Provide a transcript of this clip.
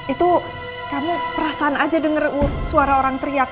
itu kamu perasaan aja denger suara orang teriak